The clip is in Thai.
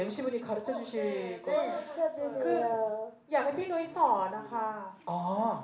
มีใครได้คำไหนอีกมั้ยฮะ